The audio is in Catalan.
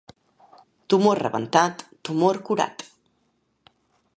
Tumor rebentat, tumor curat.